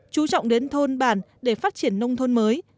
chú trọng đến thôn bản để phát triển nông thôn mới